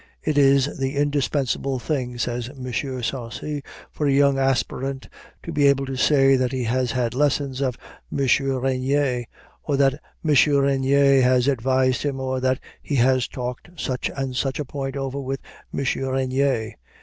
It is the indispensable thing, says M. Sarcey, for a young aspirant to be able to say that he has had lessons of M. Regnier, or that M. Regnier had advised him, or that he has talked such and such a point over with M. Regnier.